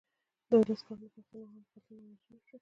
دولس کاله د پښتنو عام قتلونه او وژنې وشوې.